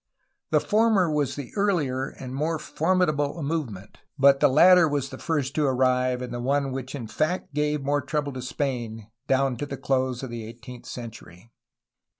The former was the earher and more formidable movement, but the latter was first to arrive and the one which in fact gave more trouble to Spain down to the close of the eighteenth century.